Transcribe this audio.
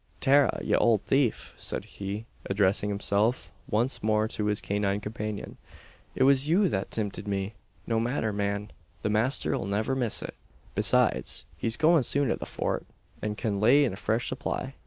"Tara, ye owld thief!" said he, addressing himself once more to his canine companion, "it was you that timpted me! No matther, man: the masther 'll niver miss it; besides, he's goin' soon to the Fort, an can lay in a fresh supply."